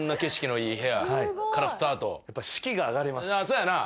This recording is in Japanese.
そうやな。